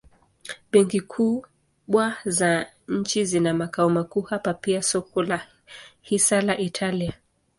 Benki kubwa za nchi zina makao makuu hapa pia soko la hisa la Italia.